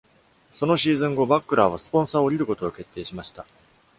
そのシーズン後、バックラーはスポンサーを降りることを決定しました。